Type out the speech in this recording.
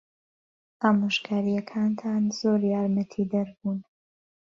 ئامۆژگارییەکانتان زۆر یارمەتیدەر بوون.